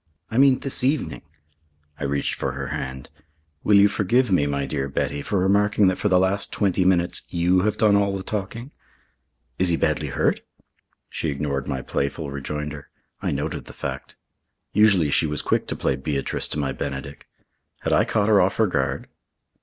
"I mean this evening." I reached for her hand. "Will you forgive me, my dear Betty, for remarking that for the last twenty minutes you have done all the talking?" "Is he badly hurt?" She ignored my playful rejoinder. I noted the fact. Usually she was quick to play Beatrice to my Benedick. Had I caught her off her guard?